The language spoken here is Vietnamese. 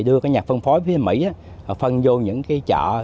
được xuất khẩu vào thị trường mỹ